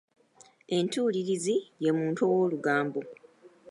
Entuulirizi ye muntu ow'olugambo.